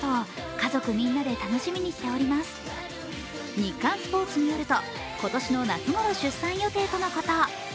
日刊スポーツによると今年の夏ごろ出産予定とのこと。